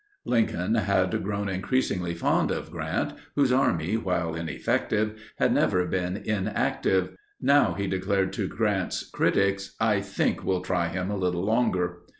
Lincoln had grown increasingly fond of Grant, whose army, while ineffective, had never been inactive. Now he declared to Grant's critics, "I think we'll try him a little longer."